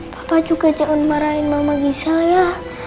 papa juga jangan marahin mama gisel ya